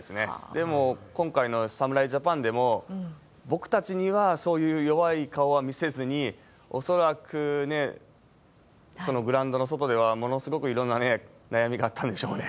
でも、今回の侍ジャパンでも、僕たちにはそういう弱い顔は見せずに、恐らくそのグラウンドの外ではものすごくいろんな悩みがあったんでしょうね。